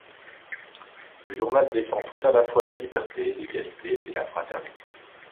Le journal défend tout à la fois la liberté, l’égalité et la fraternité.